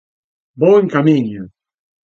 Vou en camiño.